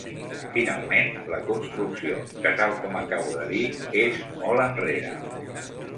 Finalment, la construcció, que, tal com acabo de dir, és molt enrere.